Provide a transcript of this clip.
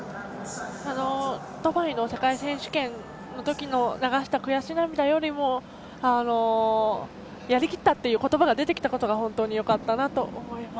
ドバイの世界選手権のときに流した悔し涙よりもやりきったという言葉が出てきたことが本当によかったなと思います。